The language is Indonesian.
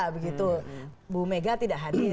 begitu bu mega tidak hadir